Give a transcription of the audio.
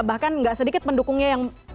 bahkan gak sedikit pendukungnya yang